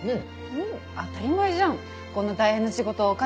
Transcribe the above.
うん当たり前じゃんこんな大変な仕事お金